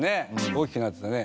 大きくなってたね。